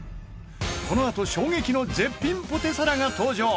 このあと衝撃の絶品ポテサラが登場